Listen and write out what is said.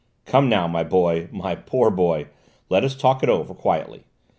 "Come now, my boy, my poor boy, let us talk it over quietly.